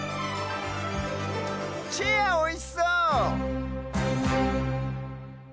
チェアおいしそう！